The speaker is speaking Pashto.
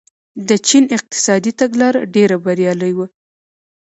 د چین اقتصادي تګلاره ډېره بریالۍ وه.